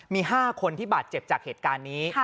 มี๕คนที่บาดเจ็บจากเหตุการณ์นี้